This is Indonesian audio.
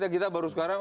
kita baru sekarang